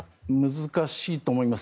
難しいと思います。